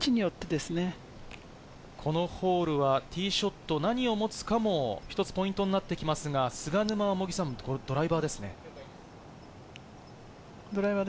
このホールはティーショット、何を持つかも、一つポイントになってきますが、菅沼はドライバーですね。